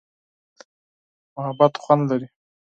محبت خوند لري.